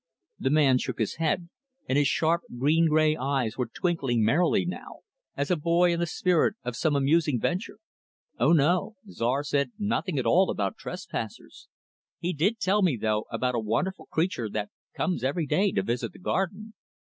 The man shook his head, and his sharp, green gray eyes were twinkling merrily, now as a boy in the spirit of some amusing venture. "Oh, no! Czar said nothing at all about trespassers. He did tell me, though, about a wonderful creature that comes every day to visit the garden.